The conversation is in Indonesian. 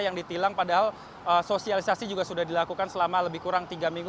yang ditilang padahal sosialisasi juga sudah dilakukan selama lebih kurang tiga minggu